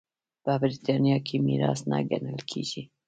په برېټانیا کې میراث نه ګڼل کېږي.